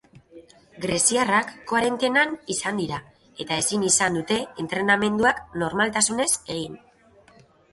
Greziarrak koarentenan izan dira eta ezin izan dute entrenamenduak normaltasunez egin.